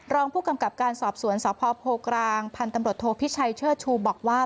รองผู้กำกับการสอบสวนสพโพกลางพันธุ์ตำรวจโทพิชัยเชิดชูบอกว่า